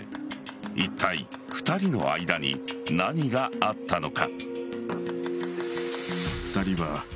いったい、２人の間に何があったのか。